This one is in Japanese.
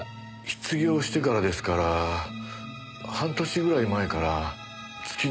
失業してからですから半年ぐらい前から月に１度か２度。